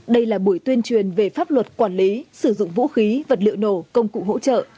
đây là buổi tuyên truyền về pháp luật quản lý sử dụng vũ khí vật liệu nổ công cụ hỗ trợ